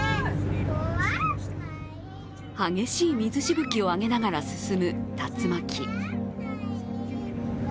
激しい水しぶきを上げながら進む竜巻。